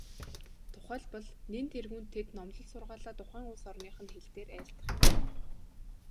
Тухайлбал, нэн тэргүүнд тэд номлол сургаалаа тухайн улс орных нь хэл дээр айлдах юм.